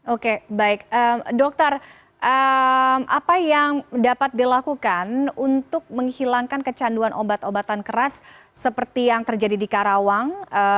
oke baik dokter apa yang dapat dilakukan untuk menghilangkan kecanduan obat obatan keras seperti yang terjadi di karawang